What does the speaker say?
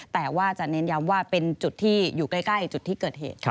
แต่ว่าจะเน้นย้ำว่าเป็นจุดที่อยู่ใกล้จุดที่เกิดเหตุ